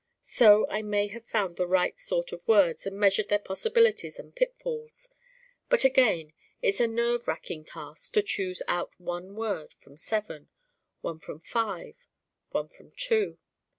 So I may have found the right sort of words and measured their possibilities and pitfalls. But again: it's a nerve racking task to choose out one word from seven, one from five, one from two.